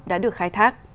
đã được khai thác